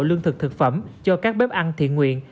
lương thực thực phẩm cho các bếp ăn thiện nguyện